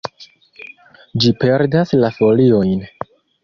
Ĝi perdas la foliojn.